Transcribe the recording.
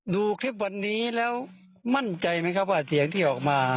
ดูคลิปวันนี้แล้วมั่นใจไหมครับว่าเสียงที่ออกมา